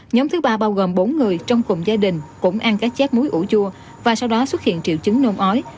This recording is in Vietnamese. nhóm thứ ba bao gồm bốn người trong cùng gia đình cũng ăn các chép muối ủ chua và sau đó xuất hiện triệu chứng nôn ói